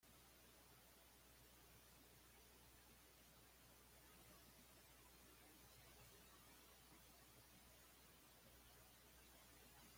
El presidente Anastasio Somoza Debayle intentó por intermediarios comprar los derechos de la canción.